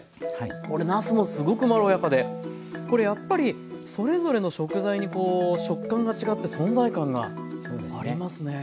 これなすもすごくまろやかでこれやっぱりそれぞれの食材にこう食感が違って存在感がありますね。